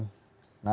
nah atasan ini